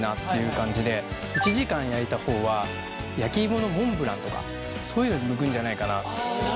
１時間焼いた方は焼き芋のモンブランとかそういうのに向くんじゃないかなと。